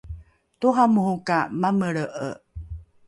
toramoro ka mamelre’e